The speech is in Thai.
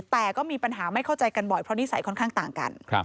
แต่ก็มีปัญหาไม่เข้าใจกันบ่อยเพราะนิสัยค่อนข้างต่างกัน